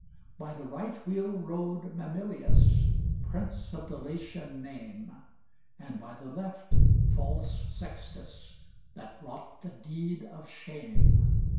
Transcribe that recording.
By the right wheel rode Mamilius, Prince of the Latian name; And by the left false Sextus, That wrought the deed of shame.